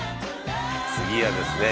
次はですね